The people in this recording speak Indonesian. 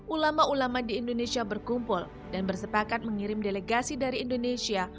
ulama ulama di indonesia berkumpul dan bersepakat mengirim delegasi dari indonesia